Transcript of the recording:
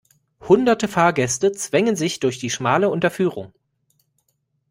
Hunderte Fahrgäste zwängen sich durch die schmale Unterführung.